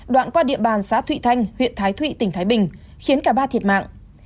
đoạn qua địa bàn xã thụy thanh huyện thái thụy tỉnh thái bình khiến cả ba thiệt mạng